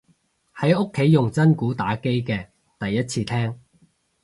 喺屋企用真鼓打機嘅第一次聽